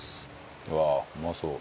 うわあうまそう。